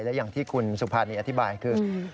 และอย่างที่คุณสุภานีอธิบายคือ